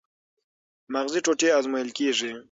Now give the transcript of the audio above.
مغزي ټوټې ازمویل کېږي.